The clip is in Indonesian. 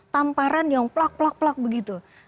tamparan yang plak plak plak begitu